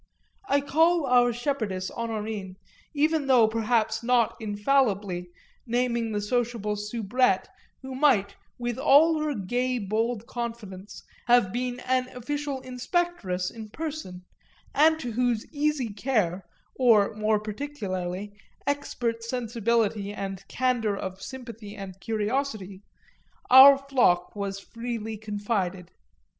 I call our shepherdess Honorine even though perhaps not infallibly naming the sociable soubrette who might, with all her gay bold confidence, have been an official inspectress in person, and to whose easy care or, more particularly, expert sensibility and candour of sympathy and curiosity, our flock was freely confided.